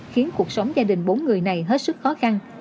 khiến cuộc sống gia đình bốn người này hết sức khó khăn